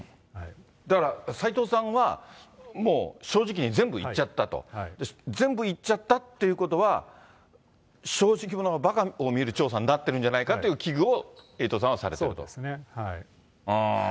だから斎藤さんはもう、正直に全部言っちゃったと、全部言っちゃったっていうことは、正直者がばかを見る調査になってるんじゃないかという危惧をエイトさんはされてると。